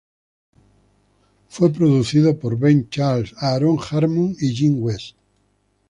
Fue producido por Ben Charles, Aaron Harmon, y Jim Wes.